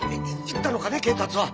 行ったのかね恵達は？